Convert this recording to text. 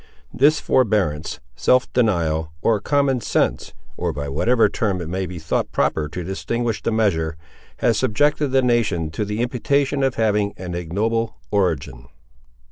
This forbearance, self denial, or common sense, or by whatever term it may be thought proper to distinguish the measure, has subjected the nation to the imputation of having an ignoble origin.